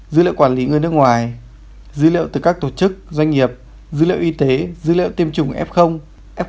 dữ liệu quản lý người nước ngoài dữ liệu từ các tổ chức doanh nghiệp dữ liệu y tế dữ liệu tiêm chủng f f khỏi bệnh kk y tế